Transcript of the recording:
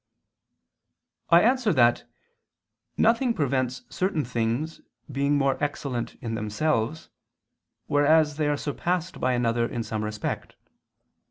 I answer that, Nothing prevents certain things being more excellent in themselves, whereas they are surpassed by another in some respect.